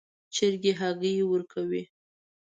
چرګ هګۍ ورکوي